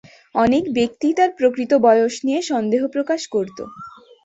অনেক ব্যক্তিই তার প্রকৃত বয়স নিয়ে সন্দেহ প্রকাশ করতো।